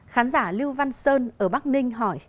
khán giả lưu văn sơn ở bắc ninh hỏi